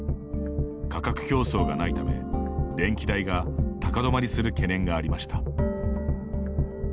価格競争がないため、電気代が高止まりする懸念がありました。